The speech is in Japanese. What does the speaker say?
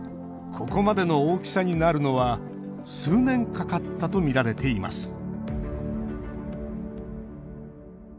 ここまでの大きさになるのは数年かかったとみられています。